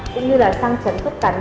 cũng như là sang trấn khớp cắn